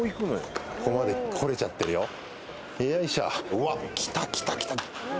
うわ。来た来た来た。